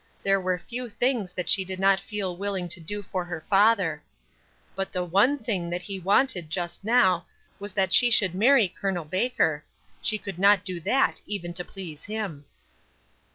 There were few things that she did not feel willing to do for her father; but the one thing that he wanted just now was that she should marry Col. Baker; she could not do that even to please him.